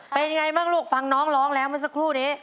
เป็นอย่างไรบ้างลูกฟังน้องร้องแรงไหมสักครู่นี้